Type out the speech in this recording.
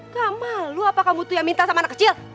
gak malu apa kamu tuh yang minta sama anak kecil